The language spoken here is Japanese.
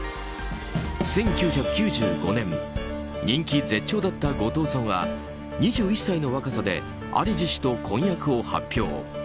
１９９５年人気絶頂だった後藤さんは２１歳の若さでアレジ氏と婚約を発表。